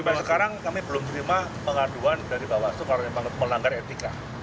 ya sampai sekarang kami belum terima pengaduan dari bawaslu karena melanggar etika